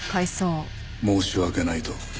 申し訳ないと。